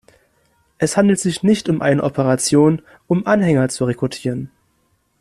Es handelt sich nicht um eine Operation, um Anhänger zu rekrutieren.